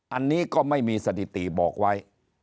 อันนี้ก็ไม่มีสถิติบอกไว้